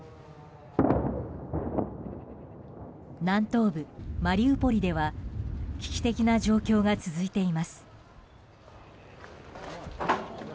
南東部マリウポリでは危機的な状況が続いています。